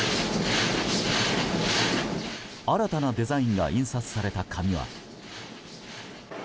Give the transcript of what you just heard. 新たなデザインが印刷された紙は。